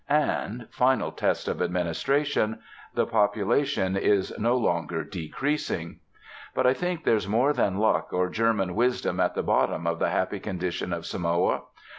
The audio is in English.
And final test of administration the population is no longer decreasing. But I think there's more than luck or German wisdom at the bottom of the happy condition of Samoa.